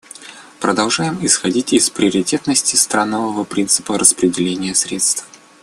Продолжаем исходить из приоритетности странового принципа распределения средств.